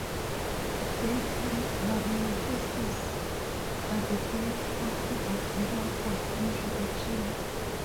Dates in parenthesis are the dates of the Opera Boston production.